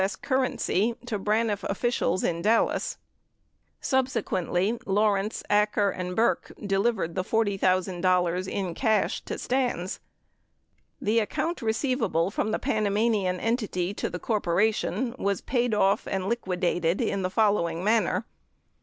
S. currency, to Braniff officials in Dallas. 52 Subsequently, Lawrence, Acker, and Burck delivered the $40,000 in cash to Stans. The account receivable from the Panamanian entity to the corpora tion was paid off and liquidated in the following manner.